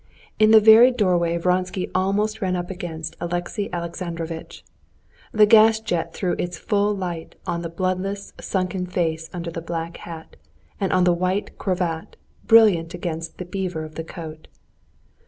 In the very doorway Vronsky almost ran up against Alexey Alexandrovitch. The gas jet threw its full light on the bloodless, sunken face under the black hat and on the white cravat, brilliant against the beaver of the coat.